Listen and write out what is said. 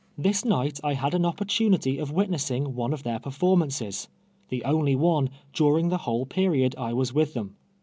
This night I had an opportunity of uitnessiug one of their performances — the only one, during the whole period I was with them.